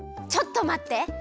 ちょっとまって！